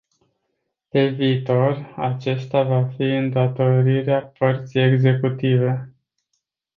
Pe viitor, aceasta va fi îndatorirea părții executive.